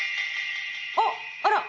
あっあら